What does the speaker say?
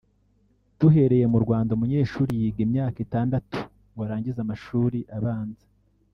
Duhereye mu Rwanda Umunyeshuri yiga imyaka itandatu ngo arangize amashuri abanza